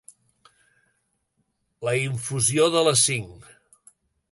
La infusió de les cinc.